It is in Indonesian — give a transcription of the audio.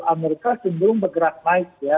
amerika cenderung bergerak naik ya